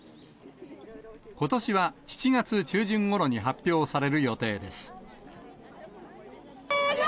ことしは７月中旬ごろに発表される予定です。